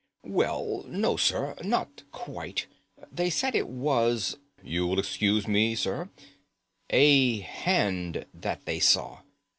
"Well, no, sir, not quite. They said it was—you'll excuse me, sir—a hand that they saw.